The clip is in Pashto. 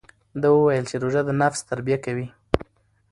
ده وویل چې روژه د نفس تربیه کوي.